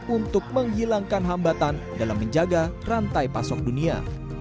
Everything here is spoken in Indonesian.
untuk menghilangkan hambatan dalam menjaga rantai pasok dunia